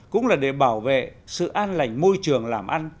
cũng là để bảo vệ sự an lành môi trường làm ăn